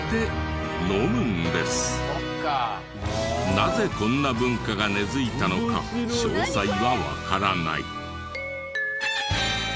なぜこんな文化が根付いたのか詳細はわからない。